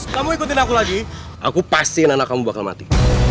kamu ikutin aku lagi aku pasti anak kamu bakal mati